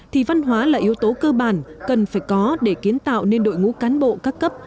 thì văn hóa là yếu tố cơ bản cần phải có để kiến tạo nên đội ngũ cán bộ các cấp